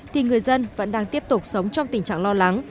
thì người dân vẫn đang tiếp tục sống trong tình trạng lo lắng